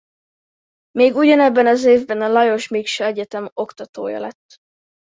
Még ugyanebben az évben a Lajos–Miksa Egyetem oktatója lett.